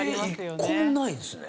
１個もないんですね。